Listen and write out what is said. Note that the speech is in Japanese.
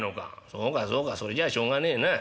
そうかそうかそれじゃあしょうがねえなあ。